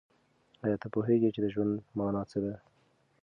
آیا ته پوهېږې چې د ژوند مانا څه ده؟